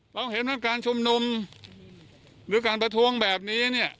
เราเห็นว่าการชุมนุมหรือการประท้วงแบบนี้เนี่ย